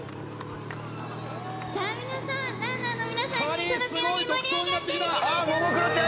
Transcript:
さあ皆さんランナーの皆さんに届くように盛り上がっていきましょう！